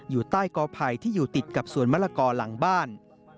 อยู่ใต้กอไผ่ที่อยู่ติดกับสวนมะละกอหลังบ้าน